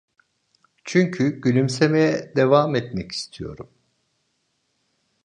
Çünkü gülümsemeye devam etmek istiyorum.